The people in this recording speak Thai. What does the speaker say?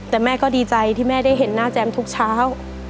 แต่แม่ก็ดีใจที่แม่ได้เห็นหน้าแจมทุกเช้า